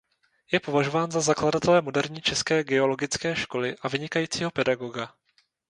Je považován za zakladatele moderní české geologické školy a vynikajícího pedagoga.